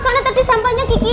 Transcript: soalnya tadi sampahnya gigi